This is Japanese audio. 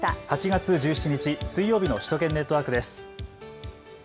８月１７日水曜日の首都圏ネットワークです。